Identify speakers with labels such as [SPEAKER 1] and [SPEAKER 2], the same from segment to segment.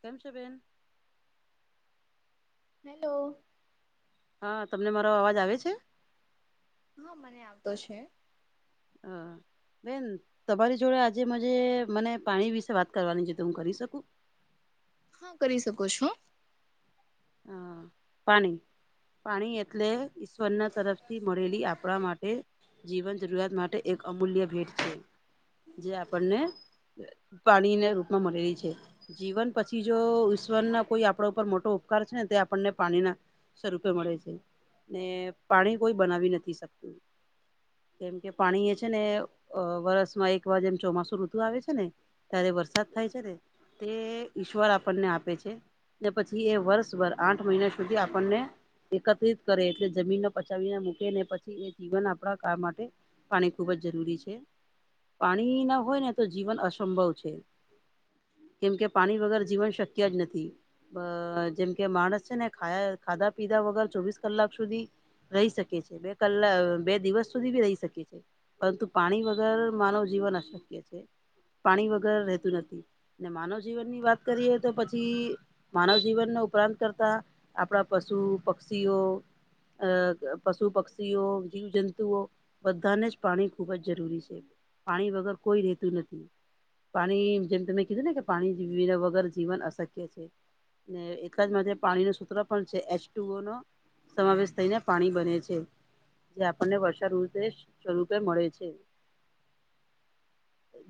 [SPEAKER 1] કેમ છો બેન?
[SPEAKER 2] હેલો.
[SPEAKER 1] હા તમને મારો અવાજ આવે છે.
[SPEAKER 2] હા મને આવતો છે.
[SPEAKER 1] હા. બેન તમારી જોડે આજે મજે મને પાણી વિશે વાત કરવાની છે તો હું કરી શકું.
[SPEAKER 2] હા કરી શકો છો.
[SPEAKER 1] હા પાણી પાણી એટલે ઈશ્વરના તરફથી મળેલી આપણા માટે જીવન જરૂરિયાત માટે એક અમૂલ્ય ભેટ છે જે આપણને પાણીના રૂપમાં મળેલી છે જીવન પછી જો ઈશ્વરના કોઈ આપણા ઉપર મોટો ઉપકાર છે ને તે આપણને પાણી ના સ્વરૂપે મળે છે. ને પાણી કોઈ બનાવી નથી શકતું. કેમ કે પાણી એ છે ને વરસમાં એક વાર જેમ ચોમાસુ ઋતુ આવે છે ને ત્યારે વરસાદ થાય છે ને તે ઈશ્વર આપણને આપે છે ને પછી એ વર્ષ ઈશ્વર આઠ મહિના સુધી આપણને એકત્રિત કરે એટલે જમીનને પચાવીને મૂકે ને પછી એ જીવન આપણા કામ માટે પાણી ખૂબ જ જરૂરી છે પાણી ના હોય ને તો જીવન અસંભવ છે. કેમ કે પાણી વગર જીવન શક્ય જ નથી અ જેમ કે માણસ છે ને ખાય ખાધા પીધા વગર ચોવીસ કલાક સુધી રહી શકે છે બે કલાક બે દિવસ સુધી બી રહી શકે છે. પરંતુ પાણી વગર માનવ જીવન અશક્ય છે પાણી વગર રહેતું નથી. ને માનવ જીવનની વાત કરીએ તો પછી માનવ જીવનનો ઉપરાંત કરતા આપણા પશુ પક્ષીઓ અ પશુ પક્ષીઓ જીવજંતુઓ બધાને જ પાણી ખૂબ જ જરૂરી છે પાણી વગર કોઈ રહેતું નથી. પાણી જેમ તમે કીધું ને કે પાણી વગર જીવન અશક્ય છે ને [unintelligible] પાણી નો સૂત્ર પણ છે એચ ટુ ઓ નો સમાવેશ થઈને પાણી બને છે. જે આપણને વર્ષાઋતે સ્વરૂપે મળે છે.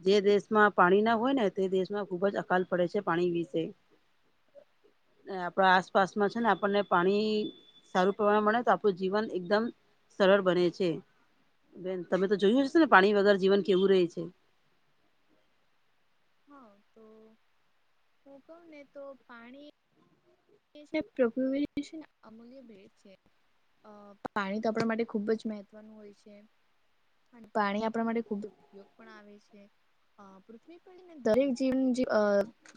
[SPEAKER 1] જે દેશમાં પાણી ના હોય ને તે દેશમાં ખુબ જ અકાલ પડે છે પાણી વિશે. ને આપણા આસપાસમાં છે ને આપણને પાણી સારું પ્રમાણ માં મળે તો આપણું જીવન એકદમ સરળ બને છે બેન તમે તો જોયું હશે ને પાણી વગર જીવન કેવું રહે છે.
[SPEAKER 2] હા તો હું કહું ને તો પાણી [unintelligible] અમૂલ્ય ભેટ છે. અ પાણી તો આપણા માટે ખુબ જ મહત્વનું હોય છે. પાણી આપણા માટે ખૂબ ઉપયોગ પણ આવે છે હા [unintelligible]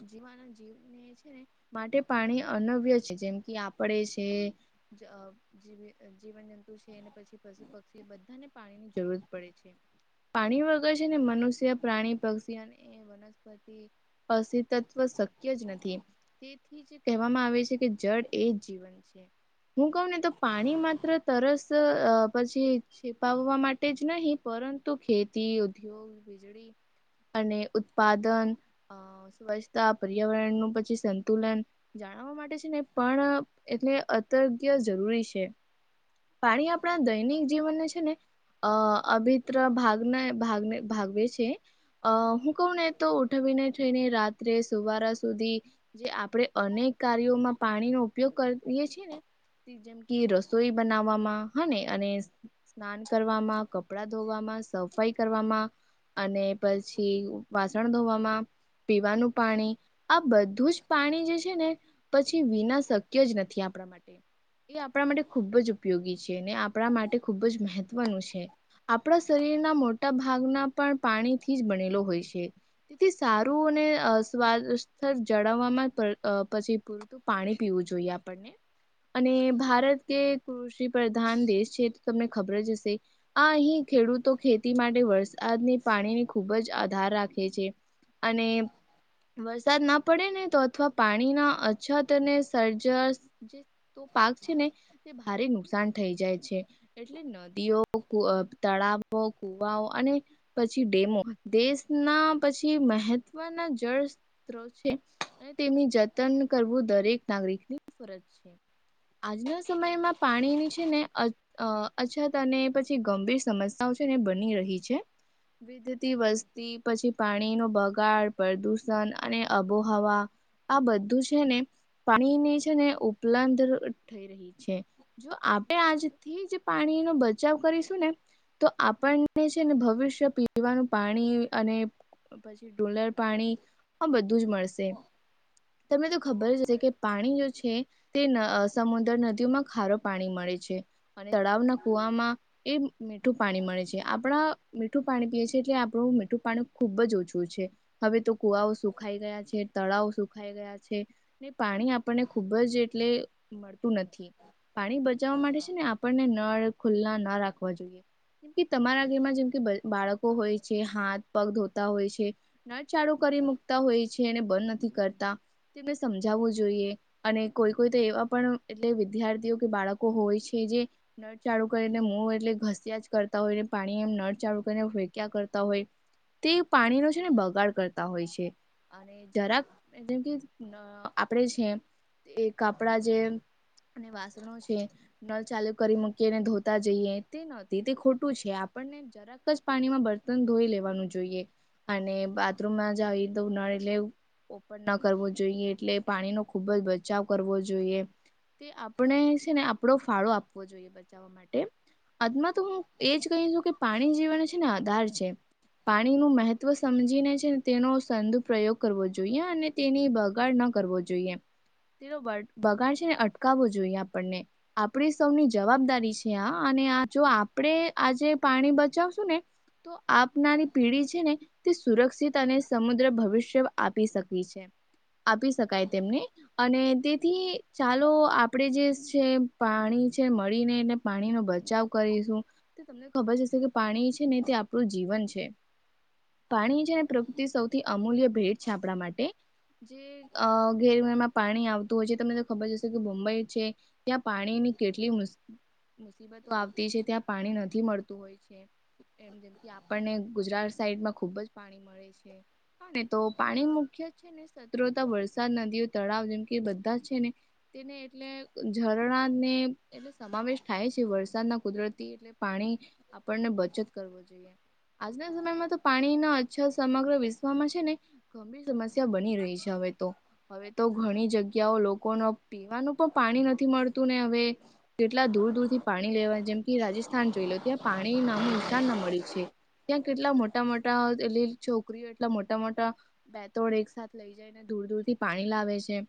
[SPEAKER 2] દરેક [unintelligible] માટે પાણી અનવ્ય છે જેમ કે આપણે છે [inaudible] છે ને પછી પશુ પક્ષી બધાને પાણી ની જરૂરત પડે છે. પાણી વગર છે ને મનુષ્ય પ્રાણી પક્ષી અને એ [unintelligible] અસીતત્વ શક્ય જ નથી તેથી જે કહેવામાં આવે છે કે જળ એ જ જીવન છે. હું કહું ને તો પાણી માત્ર તરસ અ પછી છીપાવવા માટે જ નહીં પરંતુ ખેતી ઉદ્યોગ વીજળી અને ઉત્પાદન અ સ્વચ્છતા પર્યાવરણ નું પછી સંતુલન જાળવવા માટે છે ને પણ એટલે અતગ્ય જરૂરી છે. પાણી આપણા દૈનિક જીવનને છે ને અ અભિત્ર ભાગના ભાગને ભાગવે છે. અ હું કહું ને તો ઉઠવીને થઈને રાત્રે સુવારા સુધી જે આપડે અનેક કાર્યોમાં પાણીનો ઉપયોગ કરીએ છે ને જેમ કે રસોઈ બનાવામાં હ ને અને સ્નાન કરવામાં કપડા ધોવામાં સફાઈ કરવામાં અને પછી વાસણ ધોવામાં પીવાનું પાણી આ બધું જ પાણી જે છે ને પછી વિના શક્ય જ નથી આપડા માટે એ આપડા માટે ખુબ જ ઉપયોગી છે અને આપડા માટે ખૂબ જ મહ ત્વનું છે આપડા શરીરના મોટા ભાગના પણ પાણીથી જ બનેલો હોય છે. તેથી સારું અને સ્વાદ જાળવવામાં. અ પછી પૂરતું પાણી પીવું જોઈએ આપણને. અને ભારત કે કૃષિ પ્રધાન દેશ છે તો તમને ખબર જ હશે. આ અહીં ખેડૂતો ખેતી માટે વરસાદને પાણીને ખૂબ જ આધાર રાખે છે. અને વરસાદ ના પડે ને તો અથવા. પાણીના અછત અને સર્જ જે પાક છે ને તે ભારે નુકસાન થઈ જાય છે. એટલે નદીઓ, તળાવો, કૂવાઓ અને. પછી ડેમો દેશના પછી મહત્વના જળ સ્ત્રો છે. અને તેમની જતન કરવું દરેક નાગરિક ની ફરજ છે. આજના સમય મા પાણીને છે ને અ અ અચ્છા તને પછી ગંભીર સમસ્યાઓ છે ને બની રહી છે. વિદતી વસ્તી પછી પાણી નો બગાડ, પ્રદુષણ અને અબોહવા આ બધું છે ને પાણીને છે ને ઉપલધ થઈ રહી છે. જો આપે આજથી જ પાણીનો બચાવ કરીશું ને તો આપણને છે ને ભવિષ્ય પીવાનું પાણી અને પછી ડોલર પાણી આ બધું જ મળશે. તમને તો ખબર જ હશે કે પાણી જો છે. તે સમુદ્ર નદીઓમાં ખારો પાણી મળે છે. અને તળાવના કુવામાં એ મીઠું પાણી મળે છે આપડા મીઠું પાણી પીએ છીએ એટલે આપણું મીઠું પાણી ખુબ જ ઓછું છે. હવે તો કુવાઓ સુખાઈ ગયા છે તળાવો સુખ ખાઈ ગયા છે ને પાણી આપણને ખૂબ જ એટલે. મળતું નથી પાણી બચાવવા માટે છે ને આપણને નળ ખુલ્લા ન રાખવા જોઈએ. જેમ કે તમારા ઘરમાં જેમ બાળકો હોય છે હાથ પગ ધોતા હોય છે. નળ ચાળુ કરી મુકતા હોય છે ને બંધ નથી કરતા તેને સમજાવવું જોઈએ. અને કોઈ કોઈ તો એવા પણ એટલે વિદ્યાર્થીઓ કે બાળકો હોય છે જે નળ ચાલુ કરીને મો એટલે ઘસ્યા જ કરતા હોયને પાણી એમ નળ ચાળુ કરીને ફેક્યા કરતા હોય. તે પાણીનો છે ને બગાડ કરતા હોય છે અને જરાક જેમ કે આપડે છે તે કપડા જે અને વાસણો છે નળ ચાલુ કરી મૂકીને ધોતા જઈએ તે નતી તે ખોટૂ છે આપણને જરાક જ પાણીમાં બર્તન ધોઈ લેવાનુ જોઈએ. અને બાથરૂમમાં જ આવી તો નળ એટલે ઓપન ન કરવો જોઈએ એટલે પાણી નો ખુબ જ બચાવ કરવો જોઈએ તે આપણે છે ને આપડો ફાળો આપવો જોઈએ. બચાવવા માટે અંતમાં તો હું એજ કહીશું કે પાણી જીવન છે ને આધાર છે. પાણી નું મહત્વ સમજીને છે ને તેનો સદુ પ્રયોગ કરવો જોઈએ. જોઈએ અને તેની બગાડ ન કરવો જોઈએ. તેનો બ બગાડ છે ને અટકાવવો જોઇએ આપણને. આપડી સૌની જવાબદારી છે આ અને આ જો આપડે આજે પાણી બચાવશું ને તો આપનારી પેઢી છે ને તે સુરક્ષિત અને સમુદ્ર ભવિષ્ય. આપી શકી છે આપી શકાય તેમને. અને તેથી ચાલો આપણેે જે છે પાણી છે મળીને એને. પાણીનો બચાવ કરીશું તો તમને ખબર હશે કે પાણી છે ને તે આપણું જીવન છે. પાણી છે અને પ્રકૃતિ સૌથી અમૂલ્ય ભેટ છે આપણા માટે. જે અ ઘેર ઘરમાં પાણી આવતું હોય છે તમને તો ખબર જ હશે કે મુંબઈ છે. ત્યાં પાણીની કેટલી મુશ્ મુસીબતો આવતી છે, ત્યાં પાણી નથી મળતું હોય છે. એમ, જેમ કે આપણને ગુજરાત સાઈડમાં ખુબજ પાણી મળે છે, અને તો પાણી મુખ્ય છે ને સત્રોતા વરસાદ, નદીઓ, તળાવ જેમ કે બધા છે ને. ની એટલે ઝરણાંને એ સમાવેશ થાય છે વરસાદના, કુદરતી એટલે પાણી આપણને બચત કરવું જોઈએ. આજના જમાનામાં તો પાણીના અછર સમગ્ર વિશ્વમાં છે ને. ગંભીર સમસ્યા બની રહી છે હવે તો, હવે તો ઘણી જગ્યાઓ લોકોનો પીવાનું પણ પાણી નથી મળતું ને અવે. કેટલા દૂર-દૂરથી પાણી લેવા જેમ કે, રાજસ્થાન જોઈ લો ત્યાં પાણી નામોનિશાન ના મળી છે. ત્યાં કેટલા મોટા-મોટા એટ છોકરીઓ, એટલા મોટા-મોટા બેતોડ એકસાથ લઇ જઈને, દૂર-દૂરથી પાણી લાવે છે.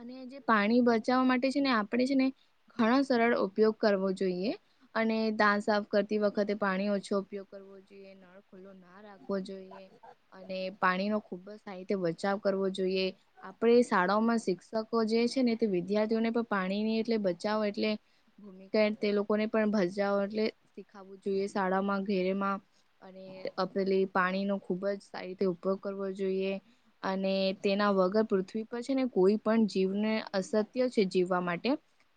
[SPEAKER 2] અને જે પાણી બચાવવા માટે છે ને, આપણેે છે ને ઘણો સરળ ઉપયોગ કરવો જોઈએ. અને દાંત સાફ કરતી વખતે પાણી ઓછો ઉપયોગ કરવો જોઈએ, નળ ખુલ્લો ના રાખ જોઈએ, અને પાણીનો ખુબ જ સારી રીતે બચાવ કરવો જોઈએ. આપણે શાળાઓમાં શિક્ષકો જે છે ને, તે વિદ્યાર્થીઓને પણ પાણીની એટલે બચાવો, એટલે ભૂમિક, તે લોકોને પણ ભજા એટલે શીખાવું જોઈએ, શાળામાં, ઘેરમાં. અને આપેલી પાણીનો ખુબ જ સારી રીતે ઉપયોગ કરવો જોઈએ. જોઈએ, અને તેના વગર પૃથ્વી પર છે ને, કોઈ પણ જીવને અસત્ય છે, જીવવા માટે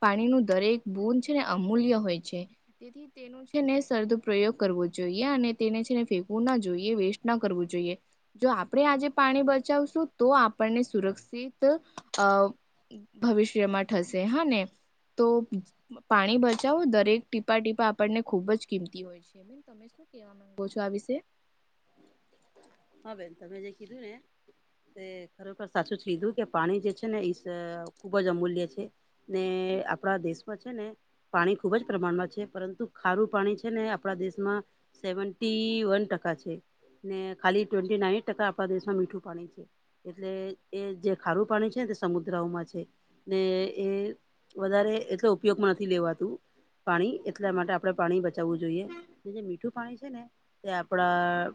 [SPEAKER 2] પાણીનું દરેક બુંદ છે ને, અમૂલ્ય હોય છે. તે તેનુજ. છે ને સરરદ પ્રયોગ કરવો જોઈએ, અને તેને છેને ફેંકવુંના જોઈએ, વેસ્ટના કરવું જોઈએ. જો આપણે આજે પાણી બચાવશું, તો આપણને સુરક્ષિત અ ભવિષ્યમાં થશે, હા ને. તો પાણી બચાવો દરેક ટીપા-ટીપા આપણને ખુબ જ કિંમતી હોય છે. [inaudible]
[SPEAKER 1] હા, બેન તમે જે કીધુંને તે ખરેખર સાચું જ કીધું કે પાણી જે છે ને, ઈ ખુબ જ અમૂલ્ય છે. ને, આપણા દેશમાં છે ને પાણી ખુબ જ પ્રમાણમાં છે, પરંતુ ખારું પાણી છે ને, આપણા દેશમાં સેવન્ટી વન ટકા છે. ને, ખાલી ટ્વેન્ટી નાઇન ટકા આપણા દેશમાં મીઠું પાણી છે. એટલે એ જે ખારું પાણી છે ને, તે સમુદ્રઓમાં છે. ને, એ વધારે એટલે ઉપયોગમાં નથી લેવાતું. પાણી એટલા માટે આપણે પાણી બચાવવું જોઈએ, જે મીઠું પાણી છે ને તે આપડા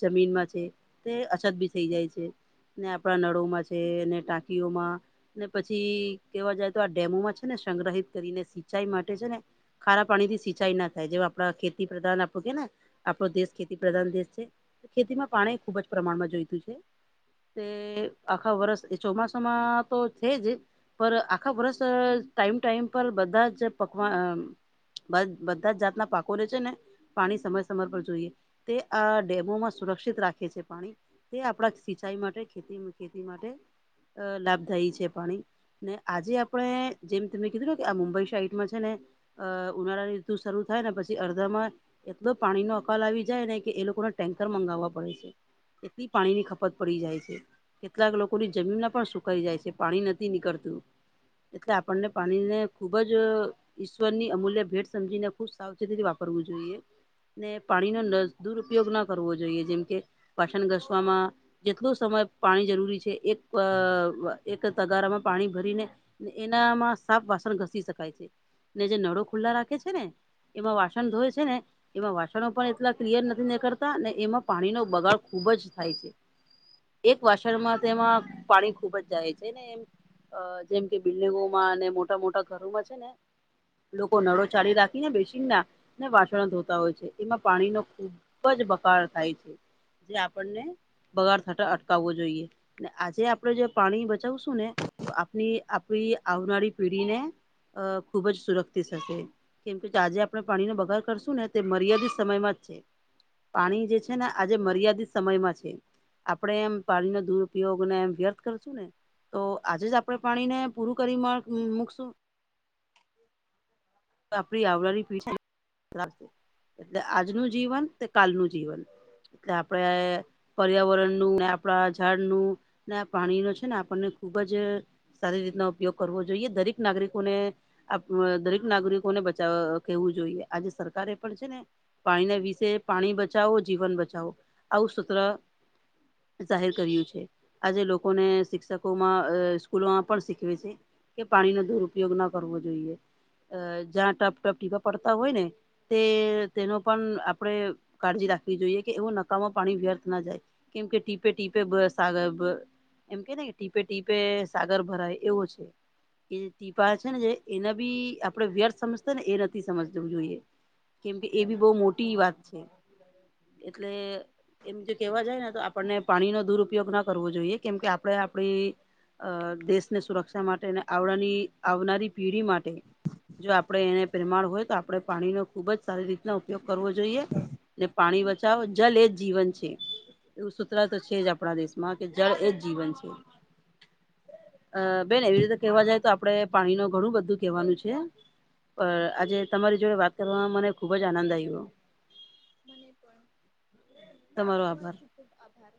[SPEAKER 1] જમીનમાં છે તે અછત બી થઈ જાય છે. ને, આપણા નળોમાં છે, ટાંકીઓમાં ને પછી કેવા જાય આ ડેમોમાં છે ને સંગ્રહિત કરીને સિંચાઈ માટે છે ને ખારા પાણીથી સિંચાઈ ના થાય જેવા આપણા ખેતીપ્રધાન આપણું છે ને આપણો દેશ ખેતીપ્રધાન દેશ છે ખેતીમાં પાણી ખુબ જ પ્રમાણમાં જોઈતું છે. તે આખા વર્ષએ ચોમાસામાં તો છે જ પર આખા વર્ષે ટાઈમ ટાઈમ પર બધા જ પકવાન અ બધા જ જાતના પાકો રે છે ને, પાણી સમય સમર પર જોઈએ તે આ ડેમોમાં સુરક્ષિત રાખે છે પાણી, તે આપણા સિંચાઈ માટે, ખેતીને ખેતી માટે અ લાભદાયી છે પાણી ને આજે આપણે જેમ તમે કીધું કે આ મુંબઈ સાઇટમાં છે ને અ ઉનાળાની ઋતુ શરૂ થાય ને, પછી અડધામાં એટલો પાણીનો અકાલ આવી જાય ને કે એ લોકોને ટેન્કર મંગાવવા પડે છે એટલી પાણીની ખપત પડી જાય છે. કેટલાક લોકોની જમીનમાં પણ સુકાય જાય છે પાણી નથી નીકળતું. એટલે આપણને પાણીને ખુબ જ ઈશ્વરની અમૂલ્ય ભેટ સમજીને ખુબ સાવચેતીથી વાપરવું જોઈએ. ને પાણીનો દુરુપયોગ ના કરવો જોઈએ જેમ કે વાસણ ઘસવામાં જેટલો સમય પાણી જરૂરી છે એક એક તગારામાં પાણી ભરીને એનામાં સાફ વાસણ ઘસી શકાય છે ને જે નળો ખુલ્લા રાખે છે ને એમાં વાસણ ધોય છે ને એમાં વાસણો પણ એટલા ક્લિયર નથી નીકરતા તા ને એમાં પાણીનો બગાડ ખુબ જ થાય છે. એક વાસણમાં તેમાં પાણી ખુબ જ જાય છે ને એમ અ જેમ કે બિલ્ડીંગોમાં અને મોટા મોટા ઘરોમાં છે ને લોકો નળો ચાડી રાખીને બેસીન ના ને વાસણ ધોતા હોય છે એમાં પાણી નો ખૂબ જ બગાડ થાય છે જે આપણને બગાડ થતા અટકાવવો જોઈએ ને આજે આપડે જે પાણી બચાવશું ને તો આપણી આપણી આવનારી પેઢીને અ ખૂબ જ સુરક્ષિત હશે. કેમ કે જે આજે આપણે પાણીનો બગાડ કરશું ને તે મર્યાદિત સમયમાં જ છે. પાણી જે છે ને આજે મર્યાદિત સમયમાં છે. આપડે એમ પાણીનો દુરપયોગને એમ વ્યર્થ કરશું ને તો આજે જ આપણે પાણીને પૂરું કરી મળ મૂકશું આપણી આવનારી પેઢી છે ને એટલે આજનું જીવન ને કાલ નું જીવન એટલે આપડે પર્યાવરણનું ને આપણા ઝાડનું ને આ પાણી નું છે ને આપણને ખુબ જ સારી રીતના ઉપયોગ કરવો જોઈએ દરેક નાગરિકો ને આ દરેક નાગરિકો ને બચાવવા કેવું જોઈએ આજે સરકાર એ પણ છે ને પાણીના વિશે પાણી બચાવો જીવન બચાવો આવું સુત્ર જાહેર કર્યુ છે. આજે લોકોને શિક્ષકોમાં અ સ્કૂલોમાં પણ શીખવે છે. કે પાણીનો દુરુપયોગ ન કરવો જોઈએ. અ જ્યાં ટપ ટપ ટીપા પડતા હોય ને તે તેનો પણ આપણેે કાળજી રાખવી જોઈએ કે એવું નકામાં પાણી વ્યર્થ ના જાય. કેમ કે ટીપે ટીપે ભ સાગર ભ એમ કે ને ટીપે ટીપે સાગર ભરાય એવો છે. એ જે ટીપા છે ને જે એના બી આપ પડે વ્યર્થ સમજતા ને એ નથી સમજવું જોઈએ કેમકે એ બી બહુ મોટી વાત છે. એટલે એમ જો કેહેવા જાય ને તો આપણને પાણીનો દુરપયોગ ના કરવો જોઈએ કેમ કે આપડે આપડી દેશને સુરક્ષા માટે અને આવડાની આવનારી પીઢી માટે જો આપડે એને પ્રેમાળ હોય તો આપડે પાણીનો ખુબ જ સારી રીતના ઉપયોગ કરવો જોઈએ. ને પાણી બચાવો જલ એ જ જીવન છે. એવું સૂત્ર તો છે જ આપડા દેશમાં કે જળ એ જ જીવન છે. અ બેન એવી રીતે કેવા જાય તો આપડે પાણી નું ઘણું બધુ કેવાનું છે. પણ આજે તમારી જોડે વાત કરવામાં મને ખુબ જ આનંદ આવ્યો.
[SPEAKER 2] મને પણ તમારો ખૂબ ખૂબ આભાર.